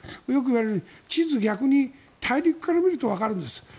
よく言う、地図を逆に大陸から見ると分かるんです。